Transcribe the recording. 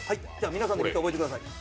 皆さんで覚えてください。